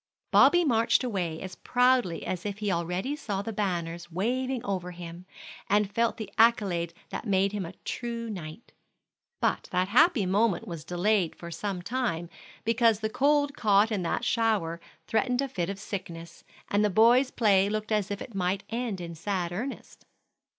Bobby marched away as proudly as if he already saw the banners waving over him, and felt the accolade that made him a true knight. But that happy moment was delayed for some time, because the cold caught in that shower threatened a fit of sickness; and the boys' play looked as if it might end in sad earnest.